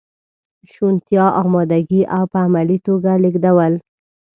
شونتیا، امادګي او په عملي توګه لیږدول.